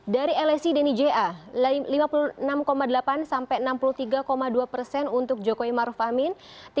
dari lsi deni ja lima puluh enam delapan sampai enam puluh tiga dua persen untuk jokowi maruf amin